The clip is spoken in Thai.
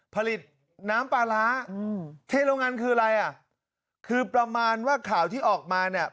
ผลิตน้ำปลาร้าอืมเทโรงงานคืออะไรอ่ะคือประมาณว่าข่าวที่ออกมาเนี่ย